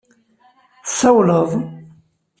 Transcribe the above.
Tsawleḍ?